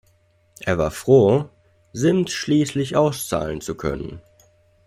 Er war froh, Simms schließlich auszahlen zu können.